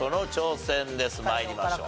参りましょう。